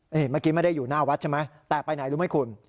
เมื่อกี้ไม่ได้อยู่หน้าวัดใช่ไหมแต่ไปไหนรู้ไหมคุณ